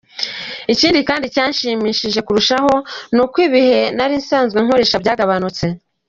Ikindi kandi cyanshimishije kurushaho ni uko ibihe nari nsanzwe nkoresha byagabanutse.